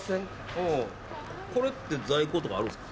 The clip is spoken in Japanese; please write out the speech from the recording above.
おうこれって在庫とかあるんっすか？